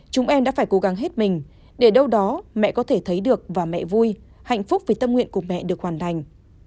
chúng em đã phải cố gắng hết mình để đâu đó mẹ có thể thấy được và mẹ vui hạnh phúc vì tâm nguyện của mẹ được hoàn thành